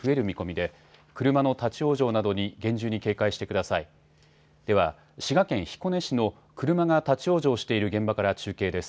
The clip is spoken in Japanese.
では、滋賀県彦根市の車が立往生している現場から中継です。